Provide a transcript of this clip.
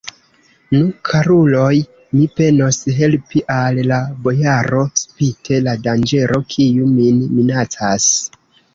Nu, karuloj, mi penos helpi al la bojaro, spite la danĝero, kiu min minacas.